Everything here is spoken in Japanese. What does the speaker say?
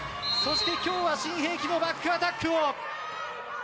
そして今日は新兵器のバックアタックを。